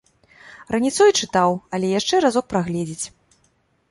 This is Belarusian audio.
Раніцой чытаў, але яшчэ разок прагледзець.